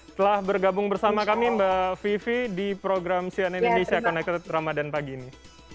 setelah bergabung bersama kami mbak vivi di program sian indonesia connected ramadhan pagi ini